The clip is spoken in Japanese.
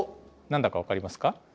何だか分かりますか？